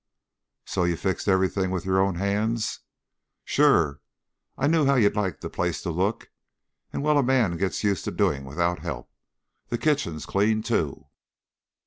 "So you fixed everything with your own hands." "Sure! I knew how you like the place to look, and well, a man gets used to doing without help. The kitchen's clean, too."